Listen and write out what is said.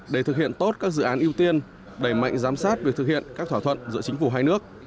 để thực hiện tốt các dự án ưu tiên đẩy mạnh giám sát việc thực hiện các thỏa thuận giữa chính phủ hai nước